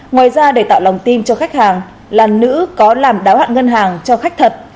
ngoài ra để tạo lòng tin cho khách hàng là nữ có làm đáo hạn ngân hàng cho khách thật